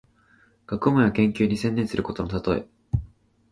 学問や研究に専念することのたとえ。